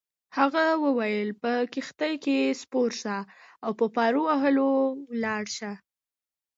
هغه وویل: په کښتۍ کي سپور شه او په پارو وهلو ولاړ شه.